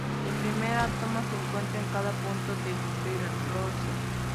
El primer átomo se encuentra en cada punto de celosía.